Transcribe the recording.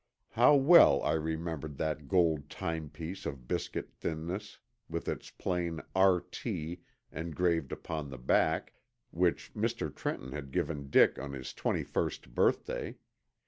How well I remembered that gold time piece of biscuit thinness, with its plain R. T. engraved upon the back, which Mr. Trenton had given Dick on his twenty first birthday!